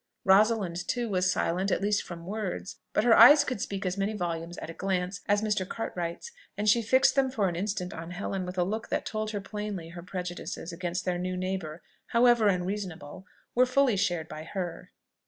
Rosalind, too, was silent, at least from words; but her eyes could speak as many volumes at a glance as Mr. Cartwright's, and she fixed them for an instant on Helen with a look that told her plainly her prejudices against their new neighbour, however unreasonable, were fully shared by her.